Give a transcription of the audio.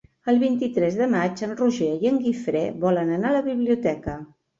El vint-i-tres de maig en Roger i en Guifré volen anar a la biblioteca.